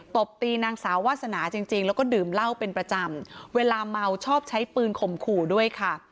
ตบตีนางสาววาสนาจริงแล้วก็ดื่มเหล้าเป็นประจำเวลาเมาชอบใช้ปืนข่มขู่ด้วยค่ะ